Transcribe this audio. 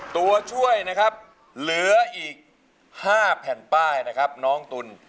ตัวช่วยนะครับเหลืออีก๕แผ่นป้ายนะครับน้องตุ๋น